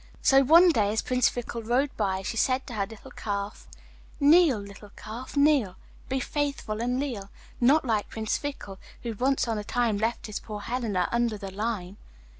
So one day as Prince Fickle rode by she said to her little calf: 'Kneel, little calf, kneel; Be faithful and leal, Not like Prince Fickle, Who once on a time Left his poor Helena Under the lime.